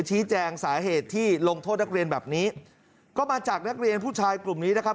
ชี้แจงสาเหตุที่ลงโทษนักเรียนแบบนี้ก็มาจากนักเรียนผู้ชายกลุ่มนี้นะครับ